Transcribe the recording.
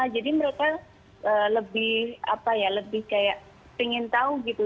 jadi mereka lebih apa ya lebih kayak pengen tahu gitu